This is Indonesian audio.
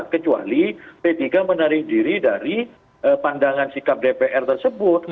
kecuali p tiga menarik diri dari pandangan sikap dpr tersebut